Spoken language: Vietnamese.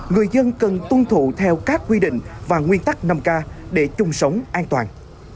người dân cần tuân thủ theo các quy định và nguyên tắc năm k để chung sống an toàn